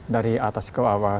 dari atas ke bawah